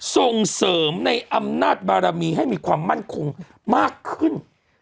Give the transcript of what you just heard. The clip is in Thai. ส่งเสริมในอำนาจบารมีให้มีความมั่นคงมากขึ้น